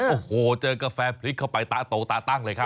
โอ้โหเจอกาแฟพลิกเข้าไปตาโตตาตั้งเลยครับ